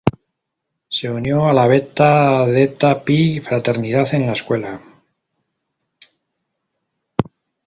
Se unió a la Beta Theta Pi fraternidad en la escuela.